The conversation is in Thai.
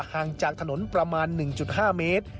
ห่างจากถนนประมาณ๑๕เมตร